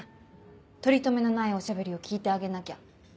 とりとめのないおしゃべりを聞いてあげなきゃ。